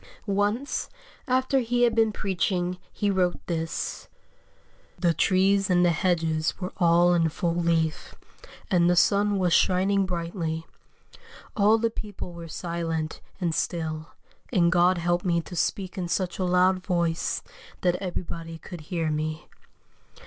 Once, after he had been preaching, he wrote this: "The trees and the hedges were all in full leaf, and the sun was shining brightly. All the people were silent and still, and God helped me to speak in such a loud voice that everybody could hear me.